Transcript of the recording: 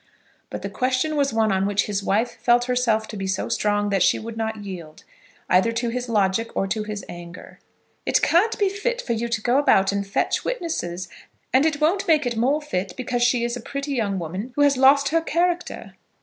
But the question was one on which his wife felt herself to be so strong that she would not yield, either to his logic or to his anger. "It can't be fit for you to go about and fetch witnesses; and it won't make it more fit because she is a pretty young woman who has lost her character."